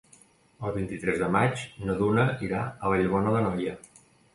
El vint-i-tres de maig na Duna irà a Vallbona d'Anoia.